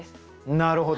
なるほど。